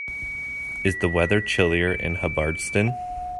Is the weather chillier in Hubbardston